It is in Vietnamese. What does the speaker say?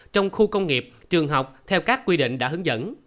trong khu công nghiệp trường học theo các quy định đã hướng dẫn